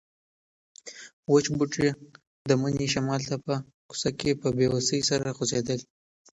وچ بوټي د مني شمال ته په کوڅه کې په بې وسۍ سره خوځېدل.